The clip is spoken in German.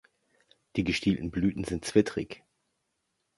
Die gestielten Blüten sind zwittrig.